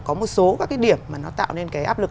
có một số các cái điểm mà nó tạo nên cái áp lực